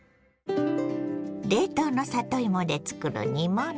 冷凍の里芋で作る煮物。